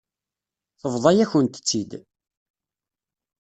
Tebḍa-yakent-tt-id.